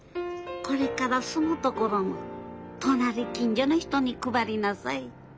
これから住む所の隣近所の人に配りなさい。